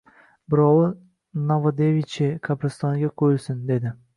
Birovi, Novodeviche qabristoniga qo‘yilsin, dedi.